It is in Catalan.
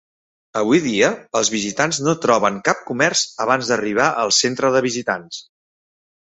Avui dia, els visitants no troben cap comerç abans d'arribar al centre de visitants.